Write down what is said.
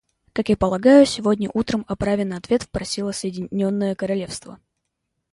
Как я полагаю, сегодня утром о праве на ответ просило Соединенное Королевство.